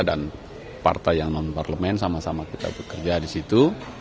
dan partai yang non parlemen sama sama kita bekerja di situ